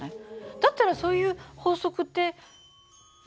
だったらそういう法則って意味あるの？